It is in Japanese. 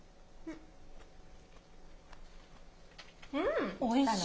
うん、おいしい。